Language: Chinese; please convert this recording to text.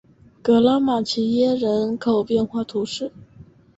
格拉马齐耶人口变化图示